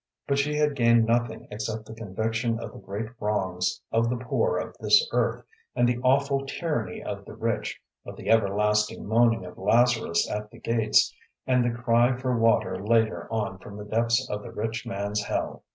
But she had gained nothing except the conviction of the great wrongs of the poor of this earth and the awful tyranny of the rich, of the everlasting moaning of Lazarus at the gates and the cry for water later on from the depths of the rich man's hell.